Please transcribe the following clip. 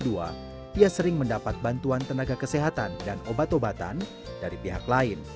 dia sering mendapat bantuan tenaga kesehatan dan obat obatan dari pihak lain